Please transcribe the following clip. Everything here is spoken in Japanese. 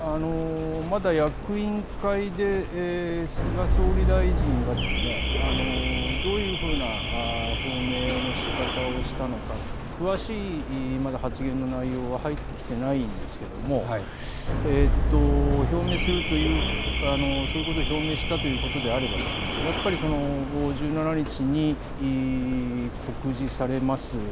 まだ役員会で菅総理大臣がどういうふうな表明のしかたをしたのかは詳しい発言の内容は入ってきていないのですが表明するという、そういうことを表明したということであればやっぱり１７日に告示されます